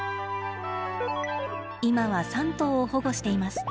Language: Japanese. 今は３頭を保護しています。